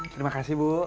terima kasih bu